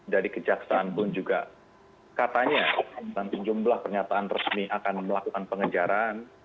jadi kejaksaan pun juga katanya nanti jumlah pernyataan resmi akan melakukan pengejaran